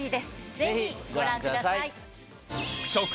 ぜひご覧ください。